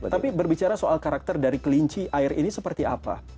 tapi berbicara soal karakter dari kelinci air ini seperti apa